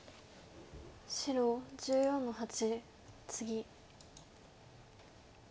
白１４の八ツギ。